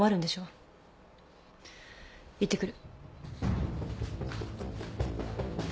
行ってくる。